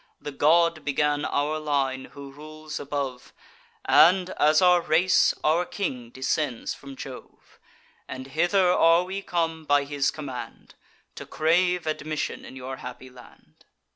The god began our line, who rules above; And, as our race, our king descends from Jove: And hither are we come, by his command, To crave admission in your happy land.